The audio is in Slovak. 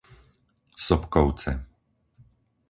Sopkovce